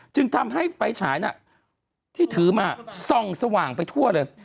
จึงทำให้ไฟฉายน่ะที่ถือมาส่องสว่างไปทั่วเลย